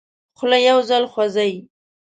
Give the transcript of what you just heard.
خوله یو ځل خوځي.